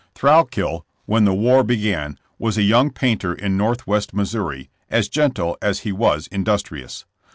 Thrailkill, when the war began, was a young painter in Northwest Missouri, as gentle as he was industrious.